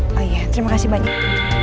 oh iya terima kasih banyak